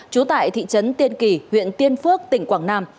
trú tại thị trấn tiên kỳ huyện tiên phước tỉnh quảng nam